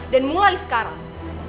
dan mulai sekarang